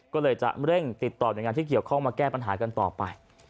ก็เลยจะเร่งติดต่อหน่วยงานที่เกี่ยวข้องมาแก้ปัญหากันต่อไป